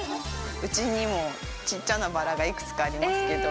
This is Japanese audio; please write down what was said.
◆うちにも、ちっちゃなバラが幾つかありますけど。